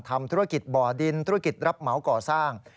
ทำธุรกิจบ่อดินธุรกิจรับเหมาก่อสร้าง